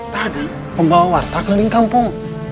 tadi pembawa warta keliling kampung